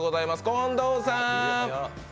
近藤さん。